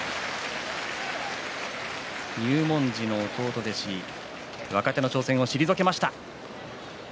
入門時の弟弟子若手の挑戦を退けました。